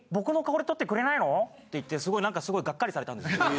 モノマネえ？って言ってすごい何かすごいがっかりされたんです。